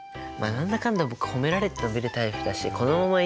何だかんだ僕褒められて伸びるタイプだしこのままいったら愛と情。